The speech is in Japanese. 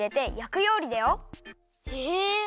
へえ！